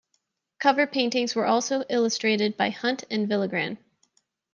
Cover paintings were also illustrated by Hunt and Villagran.